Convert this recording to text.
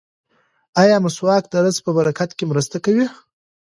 ایا مسواک د رزق په برکت کې مرسته کوي؟